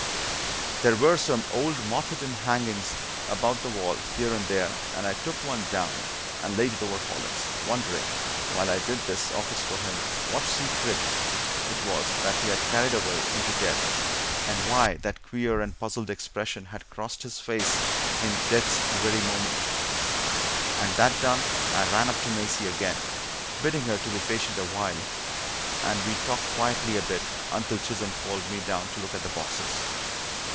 There were some old, moth eaten hangings about the walls here and there, and I took one down and laid it over Hollins, wondering while I did this office for him what strange secret it was that he had carried away into death, and why that queer and puzzled expression had crossed his face in death's very moment. And that done, I ran up to Maisie again, bidding her be patient awhile, and we talked quietly a bit until Chisholm called me down to look at the boxes.